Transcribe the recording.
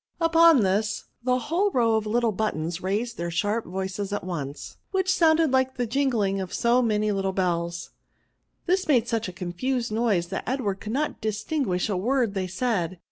Upon this, the whole row of Kttle buf tons raised their sharp voices at once, which sounded like the jingling of so many little bells. This made snch a confused noise, that Edward could not distinguish a word they said.